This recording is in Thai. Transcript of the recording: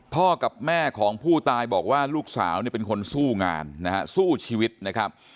พ่อกับแม่ของผู้ตายบอกว่าลูกสาวเนี่ยเป็นคนสู้งานนะฮะสู้ชีวิตนะครับ